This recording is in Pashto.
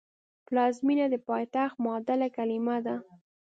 پلازمېنه د پایتخت معادل کلمه ده